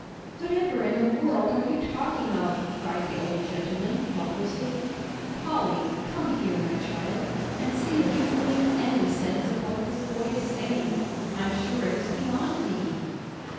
"Whatever in the world are you talking of?" cried the old gentleman, helplessly. "Polly, come here, my child, and see if you can make any sense of what this boy is saying. I'm sure it is beyond me."